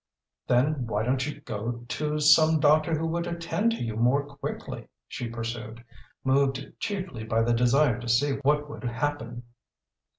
"Then why don't you go to some doctor who would attend to you more quickly?" she pursued, moved chiefly by the desire to see what would happen.